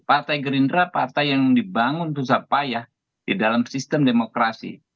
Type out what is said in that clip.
partai gerindra partai yang dibangun susah payah di dalam sistem demokrasi